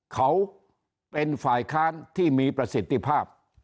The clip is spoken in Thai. เขาเป็นฝ่ายค้านที่มีประสิทธิภาพ